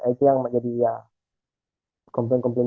itu yang menjadi ya komplain komplain